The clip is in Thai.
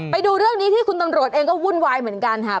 ไปดูเรื่องนี้ที่คุณตำรวจเองก็วุ่นวายเหมือนกันค่ะ